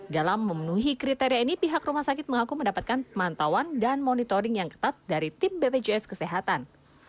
dalam memenuhi kriteria ini pihak rumah sakit mengaku mendapatkan pemantauan dan monitoring yang ketat dari tim bpjs kesehatan